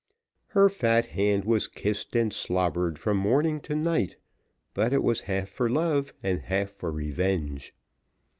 Her fat hand was kissed and slobbered from morning to night, but it was half for love and half for revenge.